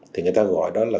thì người ta gọi đó là